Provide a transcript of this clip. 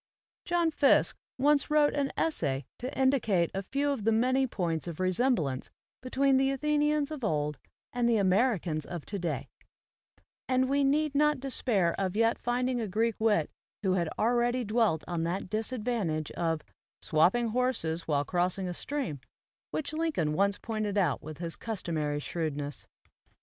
" John Fiske once wrote an essay to indicate a few of the many points of resem blance between the Athenians of old and the Americans of today; and we need not despair of yet finding a Greek wit who had already dwelt on that disadvantage of "swapping horses while crossing a stream/' which Lincoln once pointed out with his customary shrewdness.